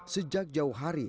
sejak jauh hari